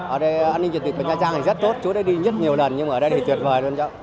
ở đây an ninh trật tự của nhà trang thì rất tốt chú đã đi rất nhiều lần nhưng ở đây thì tuyệt vời luôn cháu